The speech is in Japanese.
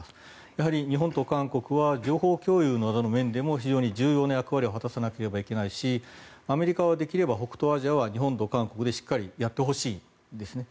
やはり日本と韓国は情報共有の面でも重要な役割を果たさなければならないしアメリカはできれば北東アジアは日本と韓国でしっかりやってほしいんですね。